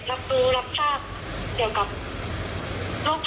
ถ้าประมาณปกตินะถ้าในแบบที่ควบคุมโรคได้